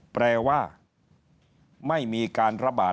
แปลว่าไม่มีการระบาด